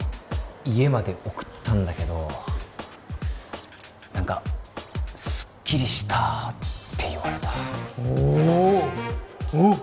家まで送ったんだけど何かスッキリしたって言われたおおおっ！